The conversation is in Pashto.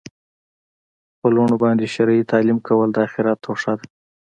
په لوڼو باندي شرعي تعلیم کول د آخرت توښه ده